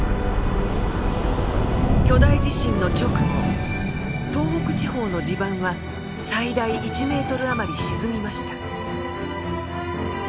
巨大地震の直後東北地方の地盤は最大１メートル余り沈みました。